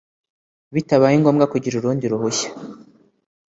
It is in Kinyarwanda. bitabaye ngombwa kugira urundi ruhushya